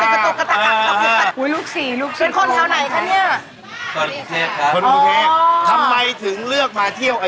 แม่สั่งน้ำหรือแห้งกินน่ะ